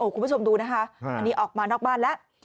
คุณผู้ชมดูนะคะอันนี้ออกมานอกบ้านแล้ว